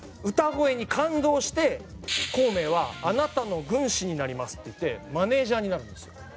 歌声に感動して孔明は「あなたの軍師になります」って言ってマネジャーになるんですよ。